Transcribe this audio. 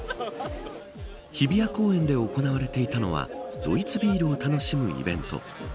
日比谷公園で行われていたのはドイツビールを楽しむイベント。